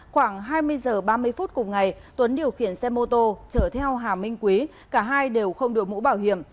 khoảng hai mươi h ba mươi phút cùng ngày tuấn điều khiển xe mô tô chở theo hà minh quý cả hai đều không đổi mũ bảo hiểm